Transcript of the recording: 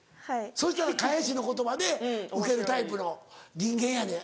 そしたら返しの言葉でウケるタイプの人間やねん。